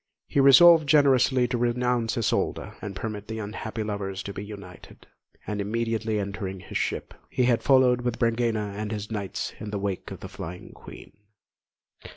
He resolved generously to renounce Isolda, and permit the unhappy lovers to be united; and immediately entering his ship, he had followed with Brangæna and his knights in the wake of the flying Queen.